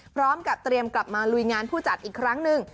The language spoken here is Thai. พร้อมกับเตรียมกลับมาลุยงานผู้จัดอีกครั้งหนึ่ง